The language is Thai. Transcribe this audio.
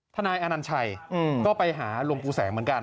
นายอนัญชัยก็ไปหาหลวงปู่แสงเหมือนกัน